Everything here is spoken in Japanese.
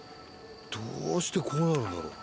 どうしてこうなるんだろう。